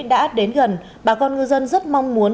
đã đến gần bà con ngư dân rất mong muốn